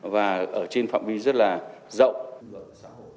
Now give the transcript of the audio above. và ở trên phạm vi rất là rộng